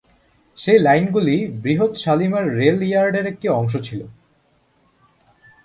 সেই লাইনগুলি বৃহৎ শালিমার রেল ইয়ার্ড-এর একটি অংশ ছিল।